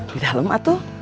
di dalam atuh